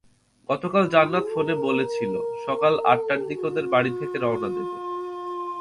গতকাল জান্নাত ফোনে বলেছিল, সকাল আটটার দিকে ওদের বাড়ি থেকে রওয়ানা দেবে।